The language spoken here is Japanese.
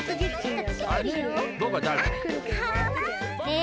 え